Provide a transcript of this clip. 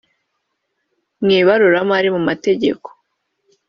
mu ibarura mari mu mategeko